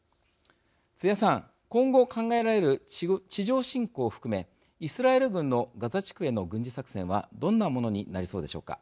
津屋さん今後考えられる地上侵攻を含めイスラエル軍のガザ地区への軍事作戦はどんなものになりそうでしょうか。